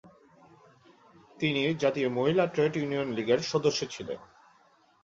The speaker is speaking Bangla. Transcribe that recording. তিনি জাতীয় মহিলা ট্রেড ইউনিয়ন লীগের সদস্য ছিলেন।